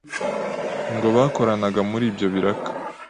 ngo bakoranaga muri ibyo biraka.